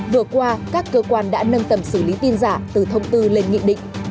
vừa qua các cơ quan đã nâng tầm xử lý tin giả từ thông tư lên nghị định